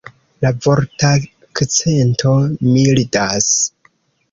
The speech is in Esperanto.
La vortakcento mildas.